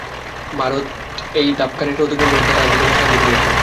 ভারত এই ধাপ খানিকটা অতিক্রম করিতে তাহাদিগকে সাহায্য করিয়াছিল।